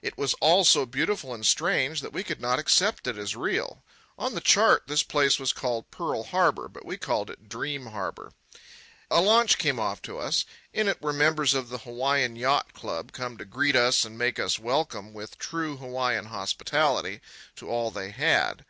It was all so beautiful and strange that we could not accept it as real. On the chart this place was called Pearl Harbour, but we called it Dream Harbour. A launch came off to us; in it were members of the Hawaiian Yacht Club, come to greet us and make us welcome, with true Hawaiian hospitality, to all they had.